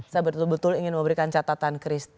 saya betul betul ingin memberikan catatan kristen